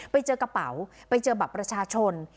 ไปเจอกระเป๋าไปเจอบัตรประชาชน